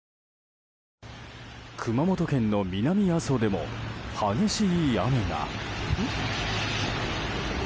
熊本県の南阿蘇でも激しい雨が。